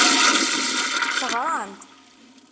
Teɣram-d?